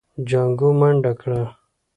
جانکو منډه کړه.